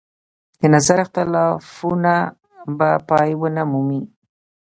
د نظر اختلافونه به پای ونه مومي.